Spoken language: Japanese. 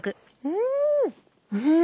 うん！